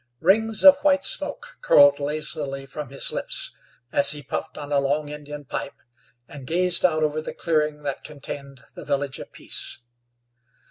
Rings of white smoke curled lazily from his lips as he puffed on a long Indian pipe, and gazed out over the clearing that contained the Village of Peace.